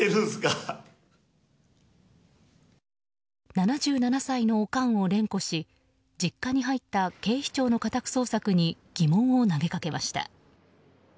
７７歳のオカンを連呼し実家に入った警視庁の家宅捜索に疑問を投げかけました。